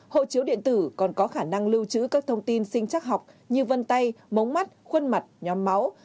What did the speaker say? hộ chiếu điện tử còn có khả năng lưu trữ các thông tin sinh chắc học như vân tay mống mắt khuôn mặt nhóm máu